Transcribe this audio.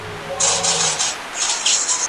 دا ستونزه د نړۍ په ډېرو هېوادونو کي لیدل کېږي.